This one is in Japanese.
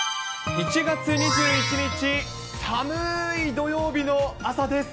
１月２１日、寒ーい土曜日の朝です。